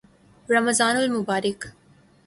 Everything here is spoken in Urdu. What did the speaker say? رمضان المبارک